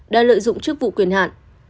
đã lợi dụng chức vụ quyền hạn